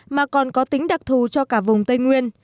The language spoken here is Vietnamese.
mà còn có tính đặc thù cho cả vùng tây nguyên